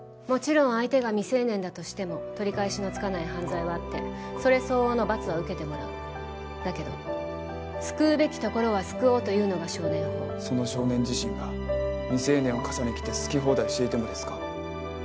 もちろん相手が未成年だとしても取り返しのつかない犯罪はあってそれ相応の罰は受けてもらうだけど救うべきところは救おうというのが少年法その少年自身が未成年を笠に着て好き放題していてもですか？